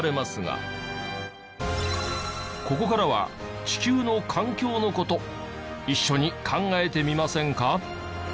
ここからは地球の環境の事一緒に考えてみませんか？